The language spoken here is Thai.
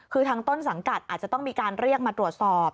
คือทางต้นสังกัดอาจจะต้องมีการเรียกมาตรวจสอบ